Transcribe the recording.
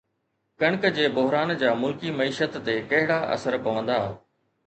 ڪڻڪ جي بحران جا ملڪي معيشت تي ڪهڙا اثر پوندا؟